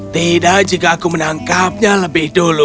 tidak jika aku menangkapnya lebih dulu